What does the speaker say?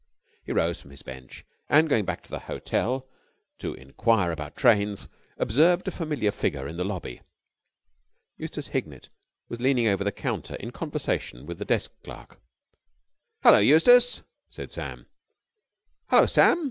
He rose from his bench, and, going back to the hotel to enquire about trains, observed a familiar figure in the lobby. Eustace Hignett was leaning over the counter, in conversation with the desk clerk. "Hullo, Eustace!" said Sam. "Hullo, Sam!"